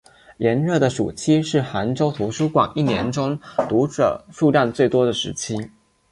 炎热的暑期是杭州图书馆一年中读者数量最多的时期。